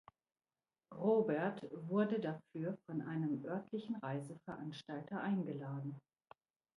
Robert wurde dafür von einem örtlichen Reiseveranstalter eingeladen.